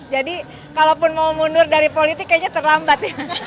jadi kalaupun mau mundur dari politik kayaknya terlambat